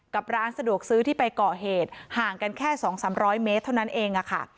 ร้านสะดวกซื้อที่ไปก่อเหตุห่างกันแค่๒๓๐๐เมตรเท่านั้นเองค่ะ